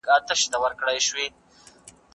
ليک يې په اوښکو باندې ټپله و ليکلي يې ول